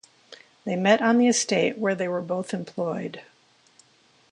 They met on the estate, where they were both employed.